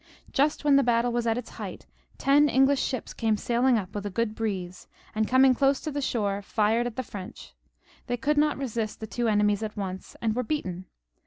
Just when the battle was at its height ten English ships came sailing up with a good breeze, and coming close to the shore, fired at the French, They could not resist the two enemies at once, and were beaten.